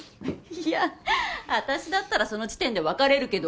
いやあ私だったらその時点で別れるけど。